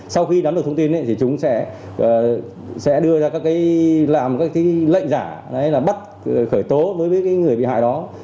sau khi nắm được thông tin thì chúng sẽ đưa ra các lệnh giả bắt khởi tố với những người bị hại đó